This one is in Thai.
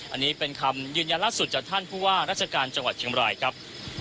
อันนี้เป็นคำยืนยันล่าสุดจากท่านผู้ว่าราชการจังหวัดเชียงบรายครับ